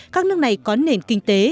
các nước này có nền kinh tế